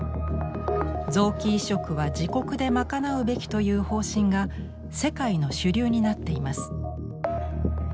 「臓器移植は自国で賄うべき」という方針が世界の主流になっています。